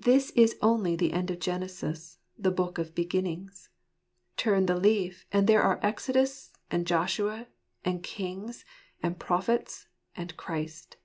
This is only the end of Genesis, the Book of Beginnings. Turn the leaf, and there are Exodus, and Joshua, and Kings, and Prophets, and Christ.